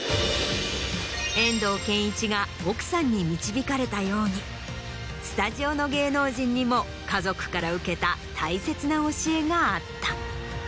遠藤憲一が奥さんに導かれたようにスタジオの芸能人にも家族から受けた大切な教えがあった。